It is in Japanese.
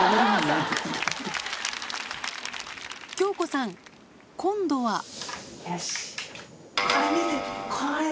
京子さん今度はよし。